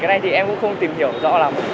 cái này thì em cũng không tìm hiểu rõ lắm